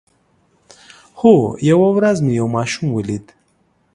هو، یوه ورځ مې یو ماشوم ولید